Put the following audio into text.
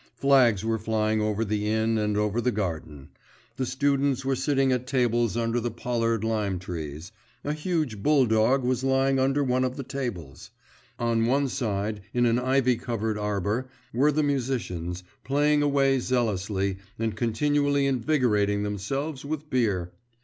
Flags were flying over the inn and over the garden; the students were sitting at tables under the pollard lime trees; a huge bull dog was lying under one of the tables; on one side, in an ivy covered arbour, were the musicians, playing away zealously, and continually invigorating themselves with beer.